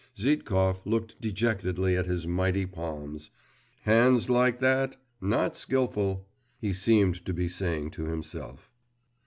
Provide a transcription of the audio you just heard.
Zhitkov looked dejectedly at his mighty palms.… 'Hands like that! Not skilful!' he seemed to be saying to himself.